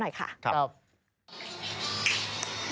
ว่าสุภรพูดใครแล้วมันคืออะไร